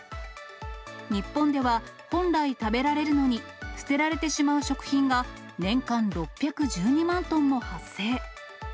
日本では、本来食べられるのに捨てられてしまう食品が年間６１２万トンも発生。